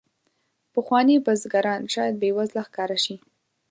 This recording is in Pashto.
پخواني بزګران شاید بې وزله ښکاره شي.